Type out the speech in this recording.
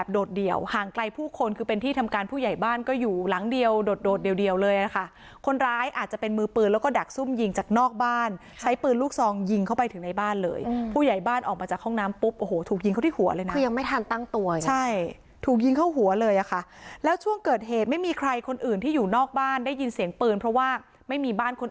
โดดเดี่ยวห่างไกลผู้คนคือเป็นที่ทำการผู้ใหญ่บ้านก็อยู่หลังเดียวโดดโดดเดียวเลยนะคะคนร้ายอาจจะเป็นมือปืนแล้วก็ดักซุ่มยิงจากนอกบ้านใช้ปืนลูกซองยิงเข้าไปถึงในบ้านเลยผู้ใหญ่บ้านออกมาจากห้องน้ำปุ๊บโอ้โหถูกยิงเขาที่หัวเลยนะคือยังไม่ทันตั้งตัวใช่ถูกยิงเข้าหัวเลยอะค่ะแล้วช่วงเกิดเหตุไม่มีใครคนอื่นที่อยู่นอกบ้านได้ยินเสียงปืนเพราะว่าไม่มีบ้านคน